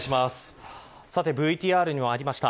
ＶＴＲにもありました。